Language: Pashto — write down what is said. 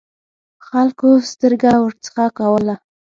خلکو سترګه ورڅخه کوله.